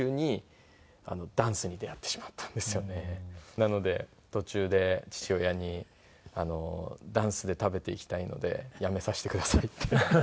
なので途中で父親に「ダンスで食べていきたいので辞めさせてください」って。